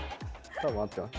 多分合ってます。